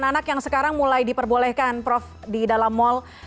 anak anak yang sekarang mulai diperbolehkan prof di dalam mal